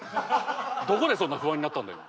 どこでそんな不安になったんだよ。